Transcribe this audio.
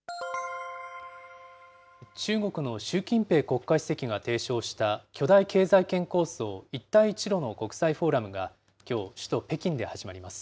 中国の習近平国家主席が提唱した巨大経済圏構想、一帯一路の国際フォーラムがきょう、首都北京で始まります。